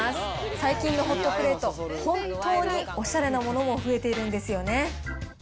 最近のホットプレート、本当におしゃれなものも増えてるんですよね。